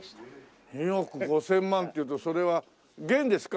２億５０００万というとそれは元ですか？